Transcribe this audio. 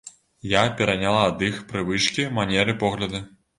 Я пераняла ад іх прывычкі, манеры, погляды.